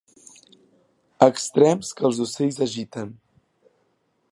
Extrems que els ocells agiten.